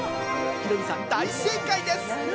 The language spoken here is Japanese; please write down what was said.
ヒロミさん、大正解です。